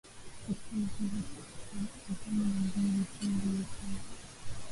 katika michezo tisini na mbili tu aliyoichezea